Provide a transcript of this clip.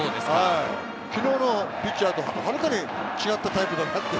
昨日のピッチャーと違ったタイプだなって。